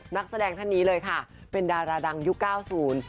นักแสดงท่านนี้เลยค่ะเป็นดาราดังยุคเก้าศูนย์